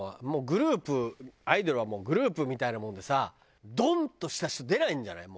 グループアイドルはもうグループみたいなもんでさドンとした人出ないんじゃない？